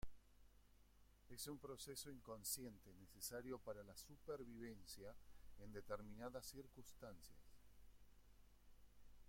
Es un proceso inconsciente necesario para la supervivencia en determinadas circunstancias.